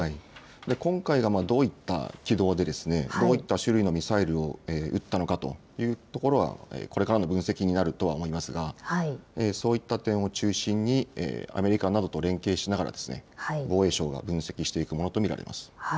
今回はどういった軌道でどういった種類のミサイルを撃ったのかというところはこれからの分析になると思いますが、そういった点を中心にアメリカなどと連携しながら防衛省が分析していくものと見られます。